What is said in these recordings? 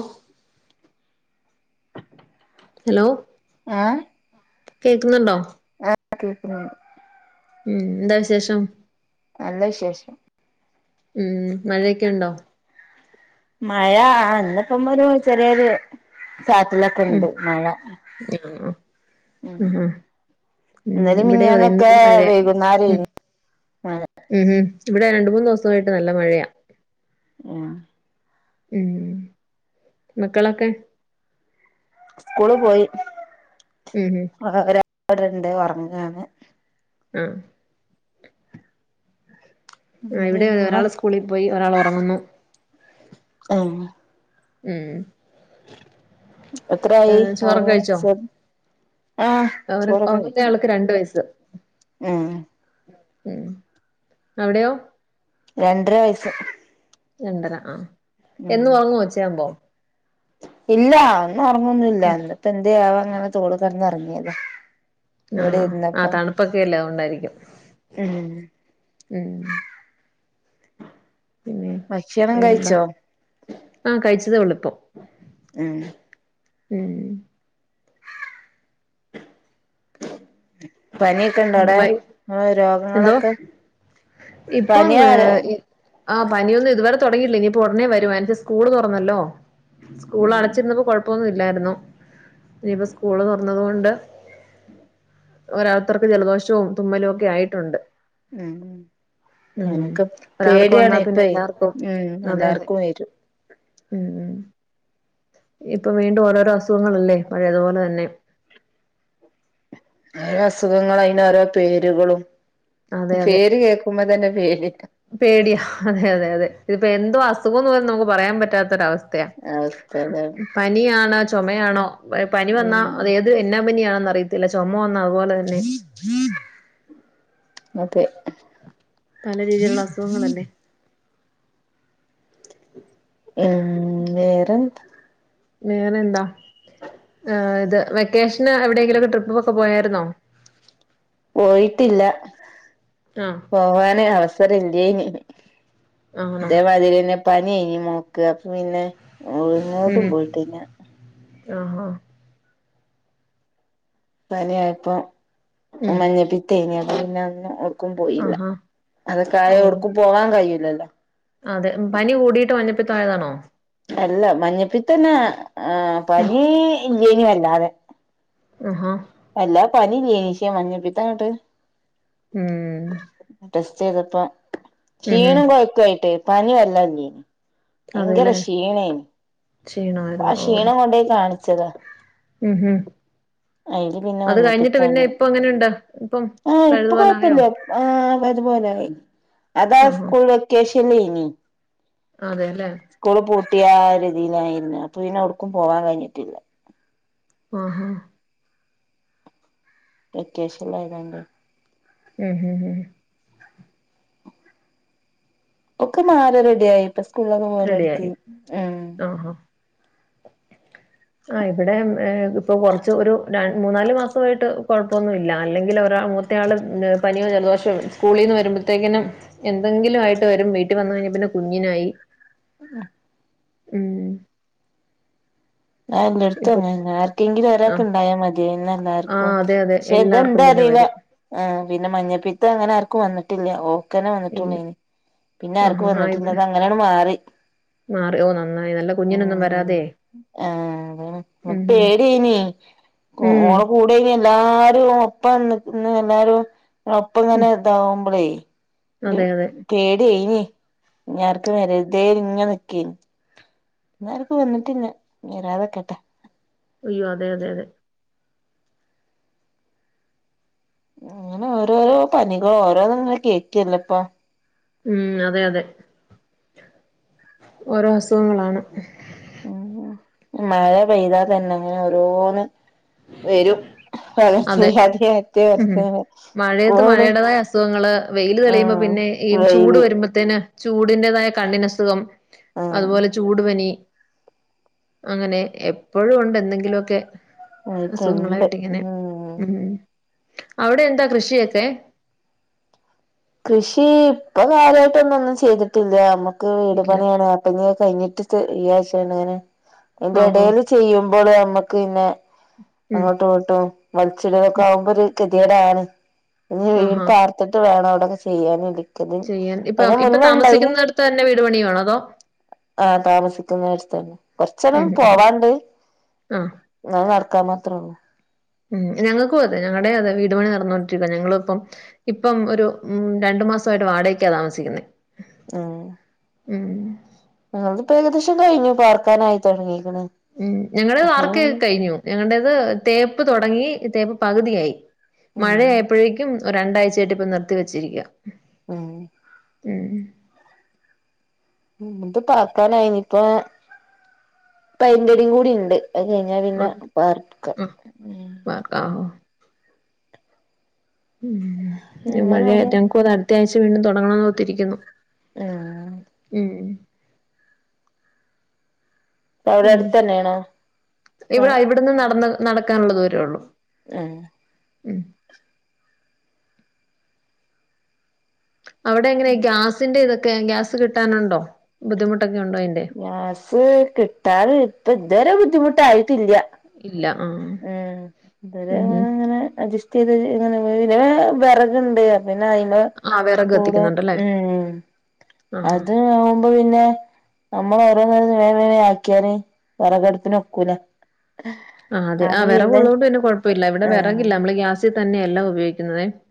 ഉം ഹലോ ആഹ് കേക്കുന്നുണ്ടോ കേക്ക്ണ് ഉം എന്താ വിശേഷം നല്ല വിശേഷം ഉം മഴക്കെ ഉണ്ടോ മഴ ഇന്ന്പ്പോന്ന് രു ചെറിയൊരു ഉം ചാറ്റാലൊക്കെണ്ട് മഴ ആഹ് ഉം ആഹ് ഉം ഇന്നലിം ഇവിടെ അതെ മിനിഞ്ഞാന്നക്കെ ഇന്നിപ്പോ മഴയ ഉം വൈകുന്നാരയ്നി മഴ ഉം ഉം ഇവിടെ രണ്ട് മൂന്ന് ദിവ്സായിട്ട് നല്ല മഴയാ ഉം ഉം മക്കളൊക്കെ സ്കൂള് പോയി ഉം ഉം ആ ഒരാള്ണ്ട് ഒറങ്ങാണ് ആഹ് ആ എന്ത് ഇവിടെ നിങ്ങളോ ഒരാള് സ്കൂളിൽ പോയി ഒരാൾ ഉറങ്ങുന്നു ആഹ് ഉം എത്രായി ഏഹ് ചോറൊക്കെ ഉറങ്ങും [unintelligible] അവടെ ഒറങ്ങുന്നയാൾക്ക് രണ്ട് വയസ് ഉം ഉം അവിടെയോ രണ്ടര വയസ്സ് രണ്ടര ആഹ് ഉം എന്നും ഒറങ്ങോ ഉച്ചയാവുമ്പോ ഇല്ല ഒന്നും ഉറങ്ങൊന്നുല്ല ഉം എന്തപ്പ എ ന്ത്യാവോ അങ്ങനെ തോള് കിടന്നുറങ്ങിയത് ആഹ് ആ തണുപ്പൊക്കെല്ല അത് കൊണ്ടായിരിക്കും ഉം ഉം പിന്നെ ഭക്ഷണം വേറെന്താ കഴിച്ചോ ആ കഴിച്ചതേ ഉള്ളു ഇപ്പം ഉം ഉം പനിയൊക്കെ ഇണ്ടോ അവ്ടെ വൈ ന എന്തോ രോഗങ്ങളൊക്കെ ഇപ്പം പനിയാര ആ പനിയൊന്നും ഇതുവരെ തൊടങ്ങിയില്ല ഇനിയിപ്പോ ഉടനെ വരും [unintelligible] സ്കൂള് തുറന്നല്ലോ സ്കൂൾ ഉം അടച്ചിരുന്നപ്പോ കൊഴപ്പൊന്നും ഇല്ലായിരുന്നു ഇനിയിപ്പോ സ്കൂള് തുറന്നത് കൊണ്ട് ഉം ഓരാരുത്തർക്ക് ജലദോഷവും തുമ്മലും ഒക്കെ ആയിട്ടുണ്ട് [unintelligible] ഉം പനിക്ക് ഒരാൾക്ക് പേടിയാണ് വന്നാ പിന്നെ ഇപ്പെ എല്ലാർക്കും ഉം അതെ അതെ എല്ലാർക്കും വരും ഉം ഉം ഇപ്പൊ വീണ്ടും ഓരോരോ അസുഖങ്ങളല്ലേ പഴയതുപോലെ തന്നെ ഓരോ അസുഖങ്ങള അയ്ന് ഓരോ പേരുകളും പേര് കേൾക്കുമ്പോ തന്നെ പേടിയാ പേടിയ അതെ അതെ അതെ ഇതിപ്പോ എന്തോ അസുഖംന്ന് [unintelligible] നമുക്ക് പറയാൻ പറ്റാത്തൊരവ [unintelligible] പ അവസ്ഥ അതാണ് പനിയാണൊ ചൊമയാണോ പനി വന്നാ ഉം അതേത് എ എന്നാ പനിയാണോറ ഇതില ചൊമ വന്ന അതുപോലെ തന്നെ. അതെ ല്ല രീതിയിലുള്ള അസുഖങ്ങളല്ലെ. ഉം വേറെ വേറെ എന്താ. ഇത് വെക്കേഷന് എവിടെങ്കിലൊക്കെ ട്രിപ്പകളൊക്കെ പോയരുന്നോ പോയിട്ടില്ല ആഹ് പോവാൻ അവസരം ഇല്ലേനി ആണോ ഇതേമാതിര്യന്നെ പനി ഏനി ഞ് മോക്ക് അപ്പ പിന്നെ എങ്ങോട്ടും പോയിട്ട്ന്നെ ആ ഒഹ് പനി ആയപ്പം ഉം മഞ്ഞപ്പിത്തേ നി തേങ്ങപ്പി പിന്ന ഒ ക്കും പോയില്ല. ആഹാ ഓ അതൊക്കെയ ഒടുക്കും പോവാൻ കഴിൂല്ലല്ലോ. അതെ പനി കൂടിയിട്ട് മഞ്ഞപ്പിത്ത ആയതാണോ അല്ല മഞ്ഞപ്പിത്തന്നെ ആ ഉം പനി ഇല്ലേനി അല്ലാതെ ആഹാ അല്ലാ പനി ഇല്ലേനിശ്യ മഞ്ഞ പിത്തായോണ്ട്ത് അങ്ങട്ട് ഉം ടെസ്റ്റ് ചെയ്തപ്പ ഉം ഉം ക്ഷീണം കൊഴക്കായിട്ടേ പനി വർല്ലട്ങ്ങിന് ഭയങ്കര അതെല്ലേ ക്ഷീണേന്. ആ ക്ഷീണമായിരുന്നു ഓ ക്ഷീണം കൊണ്ടയി കാണിച്ചത ഉം ഉം അത് കഴിഞ്ഞിട്ട് പിന്നെ മഞ്ഞപ്പിത്താണ് ഇപ്പൊ അങ്ങനെ. ണ്ട് ഇപ്പം പഴുതുപോലെ ആയോ ആഹ് അതുപോലെ ആയി അതാ ആഹാ സ്കൂൾ വെക്കേഷല്ലനിലേ നി. അതേല്ലേ സ്കൂള് പൂട്ടിയ രീതിയിലായിരുന്നു. അപ്പൊ പിന്നെ ഒട്. ക്കും പോവാൻ കഴിഞ്ഞിട്ടില്ല ആഹാ വെക്കേശല്ല ഏതാതണ്ട് ഉം ഉം ഒക്കെ മാല റെഡിയായി. ഇപ്പ സ്കൂളൊക്കെ റെഡിയായി പോവലെടുത്തി ഉം ആഹാ ആ ഇവിടെ ഇപ്പൊ കാറച്ച് ഒരു ര മൂന്നാല് മാസ വായിട്ട് കൊഴപ്പൊന്നുല്ല അല്ലെങ്കിൽ ഒരാ. മറ്റ്യാേളും ന് ഉം പനിയോ സ്കൂളിൽ നിന്ന് വരുമ്പഴത്തേക്കിനും [unintelligible] എന്തെങ്കിലും ആയിട്ട് വരും വീട്ടിൽ വന്ന കഴിഞ്ഞാ പിന്നെ കുഞ്ഞിനായി. ആഹാ. ഉം. ആല്ല അടുത്ത ഇപ്പൊ അങ്ങ ആർക്കെങ്കിലും ആ ഒരാക്കെ ഇണ്ടായാ മതി പിന്നെ ആ എല്ലാർക്കും. അതെ അതെ പക്ഷെ എല്ലാർക്കും ഇതെന്താ പിന്നെ അറില്ല. വരും ആ പിന്നെ മഞ്ഞപ്പീത്ത അങ്ങനെ ആർക്കും വന്നിട്ടില്ല ഓ. കനെ ഇല്ല വന്നിട്ടുള്ളേന്. പിന്നെ ആഹാ ആർക്കും ആ വന്നിട്ടില്ല ഇവിടെ അത് അങ്ങനാ ണ്ട്മാറി മാറി ഓ നന്നായി നല്ല കുഞ്ഞിനൊന്നും ഉം. വരാതെ ആഹാ അതാണ്. ഉം ഉം പേട്യേനി ഉം ഓള കൂ. [unintelligible] അ എല്ലാരും ഒപ്പന്ന് എല്ലാരും. [unintelligible] ഉം റൊപങ്ങനെ ഇതാാവുമ്പളേ. അതെ അതെ. പേടി ഏയ്ഞ്ഞ് ഇഞാർക്ക് വരരത് ഇഞ്ഞ് നിക്കേനി. എർക്കും വന്നിട്ട് ല്ല വരാതെക്കട്ടെ. [unintelligible] അയ്യോ അതെ അതെ അതെ. അങ്ങനെ ഓരോരോ പനികളോ ഓരോന്നും ങ്ങനെ കേൾക്കല്ല ഇപ്പൊ. ഉം അതെ അതെ ഓരോ അസുഖങ്ങളാണ്. ഉ മഴ പെയ്താ തന്നെ അങ്ങനെ ഓരോന്ന് വരും. ല അതെ ചെയ്യാത എറ്റ വഷ ഉം മഴയത്ത് സ്കൂള് മഴയുടേതായ അസുഖങ്ങള് വെയില് തെളിയുമ്പോ ആഹ പിന്നെ [unintelligible] ഈ ചൂട് വരുമ്പോ. ത്തേന് ചൂടിൻ്റെതായ കണ്ണിനസുഖം ആഹ് അതുപോലെ ചൂടു പനി. അങ്ങനെ എപ്പോഴും ഉണ്ട് എന്തെങ്കിലുമൊക്കെ. ആയിട്ടുണ്ട് ഉം. ഉ അവിടെ എന്താ കൃഷിയൊക്കെ. കൃഷി ഇപ്പൊ കാര്യയമായിട്ട് ഒന്നൊന്നും ചെയ്തിട്ടില്ല നമ്മുക്ക് വീട് ഇല്ല പണിയാണ്. അപ്പഞ്ഞ കഴിഞ്ഞിട്ട് ഈ ആഴ്ചയാണ് ഇങ്ങനെ എന്റെ ഓഹോ ഇടൽ ചെയ്യുമ്പോൾ നമ്മക്ക് പിന്നെ. ഉം അങ്ങോട്ട് ഇട്ടും വലിച്ചിടല ഉം ആകുമ്പോ ഒരു കെതികട് ആണ് ഇ ആഹാ വീർപ്പ. ഇിട്ട് വേണം അവിയൊക്കെ ചെയ്യാന. ചെയ്യേണ്ടി ഇപ്പൊ ഇപ്പൊ താമസിക്കുന്നിടുത്ത് തന്നെ വീട് പണിയാണോ അതോ. ആ താമസിക്കുന്ന അടുത്തന്നെ കൊറച്ചെനം ഉം ഉം പോവാണ്ട്. ആഹ് ന്നാ നടക്കാൻ മാത്രള്ളൂ. ഉം ഞങ്ങക്കും അതെ ഞങ്ങളുടെ അതെ വീട് പണി നടന്നുകൊണ്ടിരിക്ക ഞങ്ങളിപ്പം. ഇപ്പം ഒരു ഉം രണ്ടു മാസമായിട്ട് വാടകക്കാ താമസിക്കുന്നേ. [inaudible] [inaudible] മ് അതൊണ്ട് ഇപ്പോ ഏകദേശം കഴിഞ്ഞു പാർക്കാനായി തുടങ്ങീയിക്ക്ണ്. ഉം ഞങ്ങളേത് വാർക്ക് കഴിഞ്ഞു ഞങ്ങളടേത് തേപ്പ് തുടങ്ങി തേപ്പ് പകുതിയായി. ഉം മഴയപ്പോഴേക്കും രണ്ടാഴ്ചയായിട്ട് ഇപ്പം നിർത്തി വെച്ചിരിക്കുക. [inaudible] [inaudible] ഇത് പാർക്കാനായിനിപ്പ പൈന്റടി കൂടി ഇണ്ട്. അത് കഴിഞ്ഞാ പിന്നെ ഉണ്ട്. പാർക്ക. ആഹ് [unintelligible] ഉ അങ്ങനെ മഴയ ഒരു റ്റ കൂതെ അടുത്ത ആഴ്ച വീണ്ടും തുടങ്ങണംന്ന് ഒത്തിരിക്കുന്നു [unintelligible] ഉം. അവിടെ പിന്നെ അടുത്തന്നെയാണോ ഇവിടെ ഇവിടുന്ന് നടന്ന നടക്കാനുള്ള ദൂരേ ഉള്ളു. [unintelligible] [inaudible] അവിടെ എങ്ങനെ ഗ്യാസിന്റെ ഇതൊക്കെ ഗ്യാസ് കിട്ടാനുണ്ടോ ബുദ്ധിമുട്ടൊക്കെ ഉണ്ടോ അതിൻ്റെ. ഗ്യാസ് കിട്ടാറ് ഇപ്പ ഇതുവരെ ബുദ്ധിമുട്ടായിട്ടില്ല ഇല്ല ആഹ് ഉം ഉം ഉം ഇങ്ങനെ അഡ്ജസ്റ്റ് ചെയ്ത് ഇങ്ങനെ വിറക് ഉണ്ട് പിന്നെ അതി്മ ആഹ് വിറക് കൂടും കത്തിക്കുന്നുണ്ടല്ലേ ഉം ആഹ് അത് പിന്നെ നമ്മള് ഓരോന്ന് വേഗം വേഗംആക്കിയാല് വിറകടപ്പിന് ഒക്കൂല ആ അതെ ആ വിറവുള്ളതോണ്ട് പിന്നെ കൊഴപ്പമില്ല ഇവിടെ ആഹ് വിറകില്ല നമ്മള് ഗ്യാസിൽ തന്നെയ എല്ല ഉപയോഗിക്കുന്നുന്നത് [inaudible]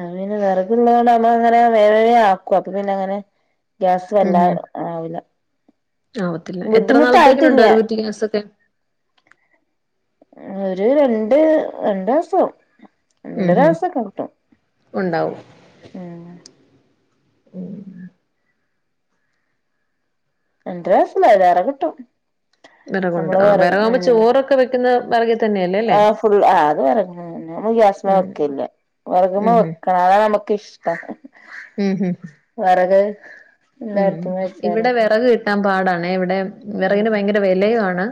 അത് പിന്നെ വിറകുള്ളത് കൊണ്ട് നമ്മൾ അങ്ങനെ വേറെ ആക്കും അപ്പൊ പിന്നെ അങ്ങനെ ഗ്യാസ് ഉം വല്ലതെ ഉം ആവില്ല ആവത്തില്ല എത്ര ബുദ്ധിമുട്ടായിട്ടില്ല നാളത്തേക്കിനുണ്ടൊരു കുറ്റി ഗ്യാസൊക്കെ? ആ ഒര് രണ്ട് രണ്ടാസം ഉം ഹും ഉണ്ടാവും ഉം [inaudible] രണ്ട് മാസം വേ വേറെ കിട്ടും വെറകുണ്ട് നമ്മള് ആഹ് വിറക് വെറകാകുമ്പോ ഉം ചോറൊക്കെ വെക്കുന്ന വെറക് ആഹ് ഫുൾ ആ അത് വെറകുമ്മ തന്നെ മ്മ ഗ്യാസ്മ ഉം വെക്കല്ല ഉം വെറകുമ്മ ഉം വെക്ക അതാണ് നമുക്കിഷ് ഉം ഉം വെറക് [unintelligible] വെച്ചാലൊ ട്ടാം പാടാണെ വെടെ ഉം വെറകിന് ഭയങ്കര വെലയു ആണ്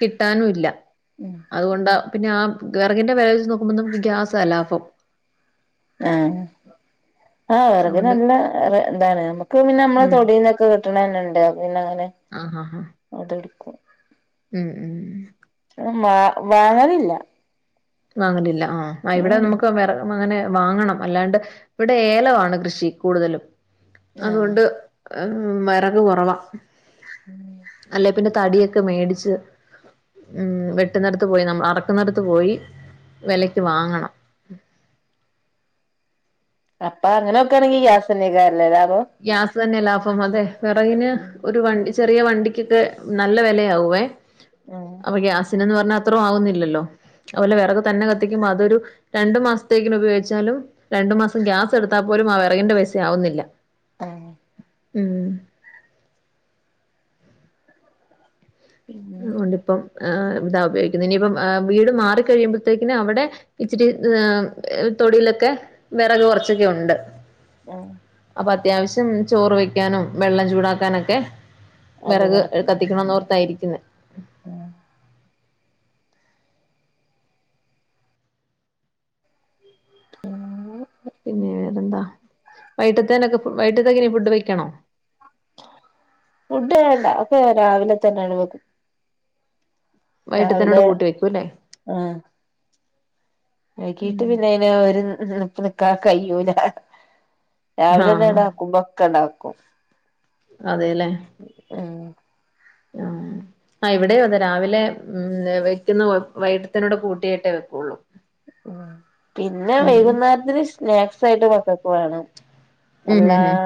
കിട്ടാനു ല്ല ഉം അഅ് കൊണ്ടാ പിന്നെ ആ വെറകിന്റെ വെല വെച്ച് നോക്കുമ്പോ നമുക്ക് ഗ്യാസാ ലാഭം. ഏഹ് ആഹ് അതുകൊണ്ട് വെറക്നല്ല റെ ന്താണ് നമ്മുക്ക് പിന്നെ നമ്മളെ ഉം തൊടീന്നൊക്കെ വെ ട്ട്ണന്നെണ്ട് പിന്നങ്ങനെ ആഹ് ഹ ഹ അതെട്ക്കും ഉം ഊം ഉം മാ വാങ്ങലില്ല വാങ്ങലില്ല ആഹ് അ ഇവിടെ ഉം നമുക്ക് വെറ അമ്മങ്ങനെ വാങ്ങണം അല്ലാണ്ട് വിടെ ഏലൊ ആണ് കൃഷി കൂടുതലും ആഹ് അതുകൊണ്ട് എം വെറക് കൊറവാ. ഉം അല്ലെ പിന്നെ തടിയൊക്കെ മേടിച്ച് ഉം വെട്ടുന്നടുത്ത് പോയി നമ്മൾ അറക്കുന്നിടത്ത് പോയി വെലയ്ക്ക് വാങ്ങണം അപ്പ അങ്ങനോക്കാണെങ്കി ഈ ഗ്യാസല്ലെ [unintelligible] ലാഭോ ഗ്യാസ് തന്നെയ ലാഭം അതെ വെറകിന് ഉം ഒരു വണ്ടി ചെറിയ വണ്ടിക്കൊക്കെ നല്ല വെലയാകുവേ ഏഹ് പ്പ ഗ്യാസിന്‌ന്ന് പറഞ്ഞാ എത്രൊ ആകൊന്നില്ലല്ലോ അതുപോലെ വെറക് തന്നെ കത്തിക്കുമ്പൊ അതൊരു രണ്ടു മാസത്തേക്കിനു പയോഗിച്ചാലും രണ്ടു മാസം ഗ്യാസെടുത്താ പോലും ആ വെറകിന്റെ പൈസ ആവുന്നില്ല ആഹ് ഉം പിന്നെ അതു കൊണ്ടിപ്പം ഏ താ ഉപയോഗിക്കുന്നത്. ഇനിയിപ്പം ഏ വീട് മാറിക്ക ഴിയുമ്പോഴത്തേക്കിന് അവടെ ഇച്ചിരി ത്ഏ എ തൊടിലൊക്കെ വെറക് കൊർച്ചൊക്കെ ഉണ്ട്. ഏഹ് അപ്പത്യാവശ്യം ചോറ് വെക്കാനും വെള്ളം ചൂടാക്കാനൊക്കെ അത് വെറക് ഏട് നടക്കും കത്തിക്കണംന്നോർത്താ ഇരിക്കുന്നെ ആഹ് [inaudible] പിന്നെ വേറെന്താ? വൈട്ടത്തേ നൊക്കെ വൈട്ടത്തേക്കെനി ഫുഡ് വെക്കണോ? ഫുഡ് വേണ്ട ഒക്കെ രാവിലെ തന്നാണ് വെക്കും വൈകിട്ടത്തേനോട് രാവിലെ കൂട്ടി വെക്കൂല്ലേ ആഹ് വൈകീട്ട് പിന്നെ അയിന് ഒരു നിപ്പ് നിക്കാ കയ്യൂല രാവിലെ തന്നെ ആഹ് ണ്ടാക്കുമ്പൊക്ക ണ്ടാക്കും. അതെല്ലേ ഉം ആഹ് ആഹ് ഇവിടെ അതെ രാവിലെ ഉം വെക്കുന്ന വൈകിട്ടത്തിനോടെ കൂട്ടിയിട്ടേ വെക്കുള്ളു. പിന്നെ വൈകുന്നേരത്തിന് സ്നാക്സ് ആയിട്ട് മക്കൾക്ക് വേണം. ഉം എല്ലാ ഉം ഉം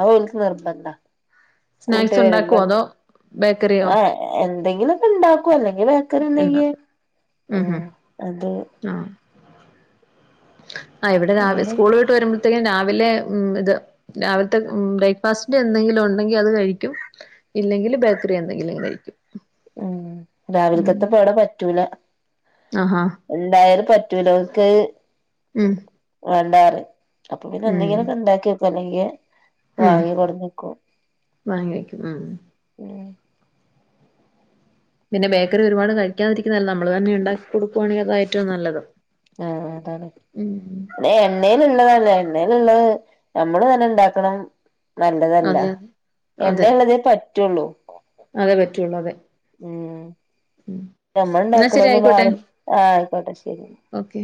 അ ഓൽക്ക് നിർബന്ധാ സ്നാക്സ് ഉണ്ടാക്കോ അതോ ബേക്കറിയോ ആഹ് എന്തെങ്കിലും ഒക്കെ ഉണ്ടാക്കൂ അല്ലെങ്കിൽ ബേക്കറി എന്തെങ്കിലും ഉണ്ടാക്കും ഉം അത്. ആഹ് ആ ഇവിടെ രാവി അങ്ങനെ സ്കൂൾ വിട്ട് വരുമ്പോ രാവിലെ ഉം ഇത് രാവിലത്തെ ബ്രേക്ക്ഫാസ്റ്റിന്റെ എന്തെങ്കിലും ഉണ്ടെങ്കിൽ അത് കഴിക്കും ഇല്ലെങ്കിൽ ബേക്കറി എന്തെങ്കിലും കഴിക്കും ഉം ഉം രാവിലക്കെത്തപ്പോ ഇവിടെ പറ്റൂല ആഹാ ഉണ്ടായാലും പറ്റൂല ഓൽക്ക് ഉം വേണ്ടാറിം അപ്പൊ പിന്നെ ഉം എന്തെങ്കിലും ഒക്കെ ഇണ്ടാക്കി വെയ്ക്കും അല്ലെങ്കിൽ ഉം വാങ്ങി കൊട്ന്നക്കും വാങ്ങി വെക്കും ഉം ഉം പിന്നെ ബേക്കറി ഒരുപാട് കഴിക്കാതിരിക്കുന്നല്ല നമ്മള് തന്നെ ഉണ്ടാക്കി കൊടുക്കുവാണെങ്കിൽ അത ഏറ്റവും നല്ലത്. ആഹ് അതാണ് ഉം പിന്നെ എണ്ണേല് ഉള്ളതല്ലെ എണ്ണേല് ഉള്ളത് നമ്മള് തന്നെ ഉണ്ടാക്കണം. നല്ലതല്ല അതെ അതെ അതെ എണ്ണേള്ളതേ പറ്റുള്ളൂ അതെ പറ്റുള്ളൂ അതെ. ഞമ്മൾ എന്നാ ശരി ഉണ്ടാക്കണംന്ന് ആയിക്കോട്ടെ പാടും ആ ആയിക്കോട്ടെ ശരി ഓക്കെ